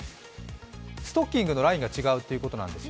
ストッキングのラインが違うということです。